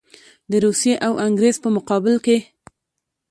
د روسیې او انګرېز په مقابل کې.